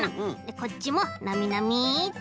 こっちもなみなみっと。